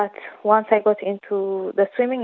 setelah saya berpikir tentang berenang